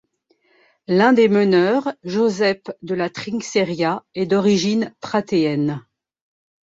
L'un des meneurs, Josep de la Trinxeria, est d'origine pratéenne.